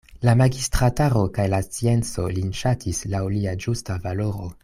La magistrataro kaj la scienco lin ŝatis laŭ lia ĝusta valoro.